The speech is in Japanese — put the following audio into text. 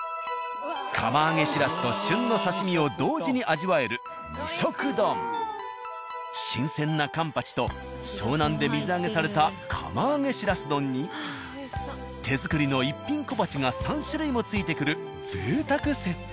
釜揚げしらすと旬の刺身を同時に味わえる新鮮なカンパチと湘南で水揚げされた釜揚げしらす丼に手作りの一品小鉢が３種類も付いてくる贅沢セット。